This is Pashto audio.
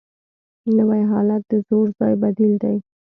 نوی حالت د زوړ ځای بدیل دی